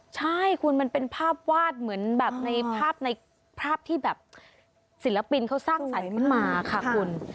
ใช่คุณมันเป็นภาพวาดเหมือนภาพที่ศิลปินเขาสร้างอันขึ้นมาค่ะคุณ